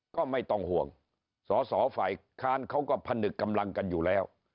ก็ไม่ต้องห่วงสอสอฝ่ายค้านเขาก็ผนึกกำลังกันอยู่แล้ว